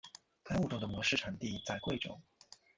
该物种的模式产地在贵州。